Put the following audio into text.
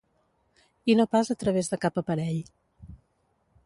I no pas a través de cap aparell.